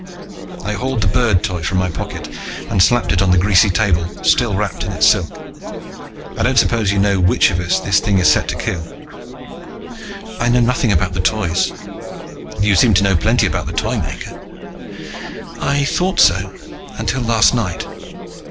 I hauled the bird Toy from my pocket and slapped it on the greasy table, still wrapped in its silk. "I don't suppose you know which of us this thing is set to kill?" "I know nothing about the Toys." "You seem to know plenty about the Toymaker." "I thought so. Until last night."